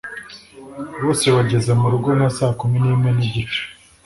Bose bageze murugo nka saa kumi n'imwe n'igice